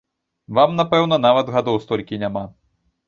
Вам, напэўна, нават гадоў столькі няма.